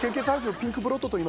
ピンクブラッド！？